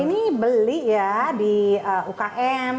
ini beli ya di ukm